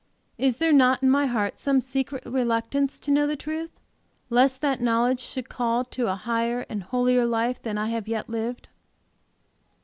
Is there not in my heart some secret reluctance to know the truth, lest that knowledge should call to a higher and holier life than I have yet lived?